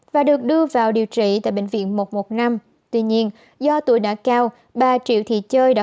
và được đưa vào điều trị tại bệnh viện một trăm một mươi năm tuy nhiên do tuổi đã cao bà triệu thị chơi đã